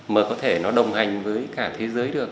mà có thể nó đồng hành với cả thế giới được